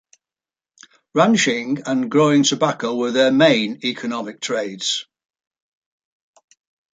Ranching and growing tobacco were their main economic trades.